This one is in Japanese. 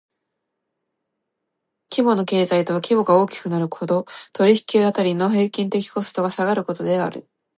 規模の経済とは規模が大きくなるほど、取引辺りの平均的コストが下がることである。